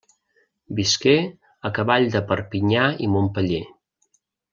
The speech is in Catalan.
Visqué a cavall de Perpinyà i Montpeller.